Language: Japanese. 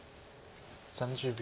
３０秒。